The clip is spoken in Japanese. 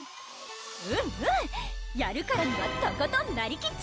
うんうんやるからにはとことんなりきっ